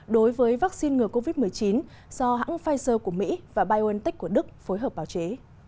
đối với vaccine ngừa covid một mươi chín do hãng pfizer của mỹ và biontech của đức phối hợp báo chế